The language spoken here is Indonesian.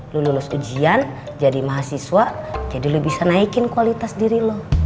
lu lulus ujian jadi mahasiswa jadi lo bisa naikin kualitas diri lo